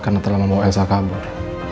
karena telah membawa elsa kabur